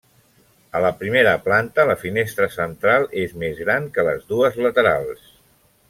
A la primera planta la finestra central és més gran que les dues laterals.